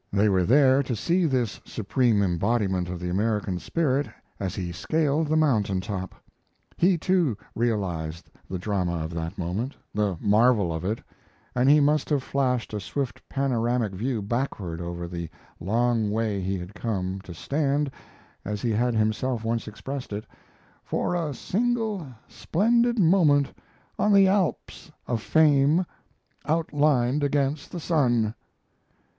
They were there to see this supreme embodiment of the American spirit as he scaled the mountain top. He, too, realized the drama of that moment the marvel of it and he must have flashed a swift panoramic view backward over the long way he had come, to stand, as he had himself once expressed it, "for a single, splendid moment on the Alps of fame outlined against the sun."